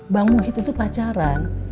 bang muhid itu pacaran